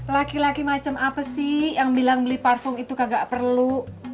laki laki macam apa sih yang bilang beli parfum itu kagak perlu